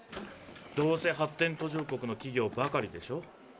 どうせ発展途上国の企業ばかりでしょ？